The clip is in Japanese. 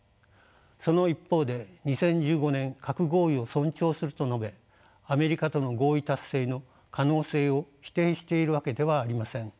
その一方で２０１５年核合意を尊重すると述べアメリカとの合意達成の可能性を否定しているわけではありません。